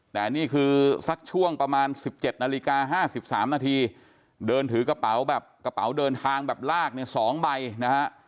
แต่นี่คือสักช่วงประมาณ๑๗นาฬิกา๕๓นาทีเดินถือกระเป๋าแบบกระเป๋าเดินทางแบบลากเนี่ย๒ใบนะฮะ